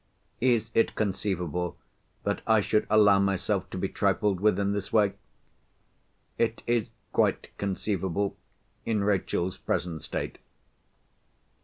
Is it conceivable that I should allow myself to be trifled with in this way? It is quite conceivable, in Rachel's present state.